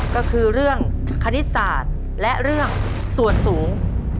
ก็คือเรื่องคณิตศาสตร์และเรื่องส่วนสูง